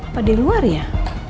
apa di luar ya